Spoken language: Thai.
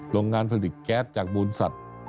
โรงงานผลิตแก๊สจากมูลสัตว์